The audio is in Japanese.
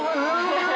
ハハハ